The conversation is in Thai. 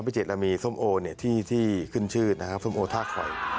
พิจิตรเรามีสมโอสมโอท่าคอย